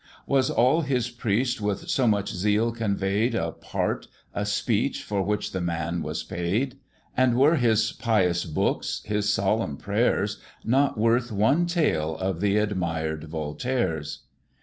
Was all his priest with so much zeal convey'd A part! a speech! for which the man was paid! And were his pious books, his solemn prayers, Not worth one tale of the admir'd Voltaire's?